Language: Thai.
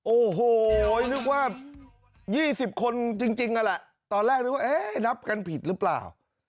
โอ้โหนึกว่า๒๐คนจริงนั่นแหละตอนแรกนึกว่าเอ๊ะนับกันผิดหรือเปล่า